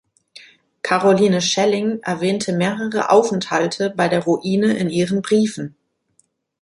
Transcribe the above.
Caroline Schelling erwähnte mehrere Aufenthalte bei der Ruine in ihren Briefen.